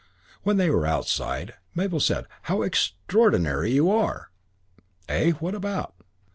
When they were outside, Mabel said, "How extraordinary you are!" "Eh? What about?"